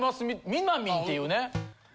みまみんっていうね。